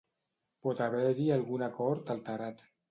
Pot haver-hi algun acord alterat.